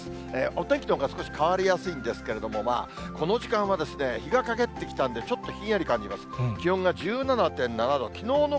お天気のほうが少し変わりやすいんですけれども、この時間は日が陰ってきたんで、ちょっとひんやり感じます。